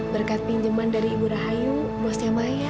berkat pinjeman dari ibu rahayu bosnya maya